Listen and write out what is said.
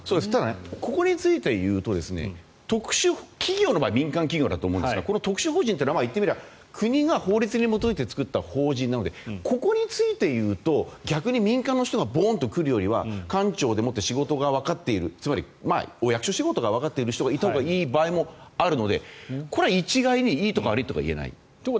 ここについていうと企業の場合民間企業だと思うんですがこの特殊法人というのは言ってみれば国が法律に基づいて作った法人なのでここについていうと逆に民間の人がボンと来るよりも官庁でもって仕事がわかっているつまりお役所仕事がわかっている人がいたほうがいい場合もあるのでこれは一概にいいとか悪いとか言えない。